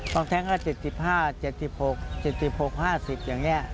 ต้องแท้แค่๗๕๗๖หรือ๗๐อย่างนี้